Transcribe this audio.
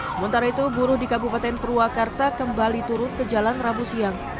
sementara itu buruh di kabupaten purwakarta kembali turun ke jalan rabu siang